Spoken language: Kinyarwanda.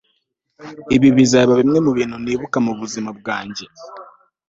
ibi bizaba bimwe mubintu byiza nibuka mubuzima bwanjye